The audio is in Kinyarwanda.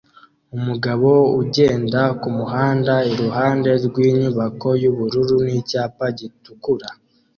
Umugabo ugenda kumuhanda iruhande rwinyubako yubururu nicyapa gitukura